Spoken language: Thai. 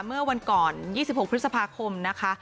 เมื่อวันก่อน๒๖พฤษภาคมนะคะ